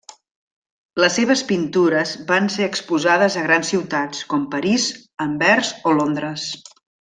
Les seves pintures van ser exposades a grans ciutats, com París, Anvers o Londres.